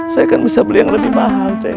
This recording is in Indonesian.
saya kan bisa beli yang lebih mahal